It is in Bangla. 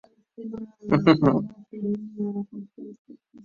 কিংবা বলতে পারো, আমি তোমাকে খেচে দিতাম।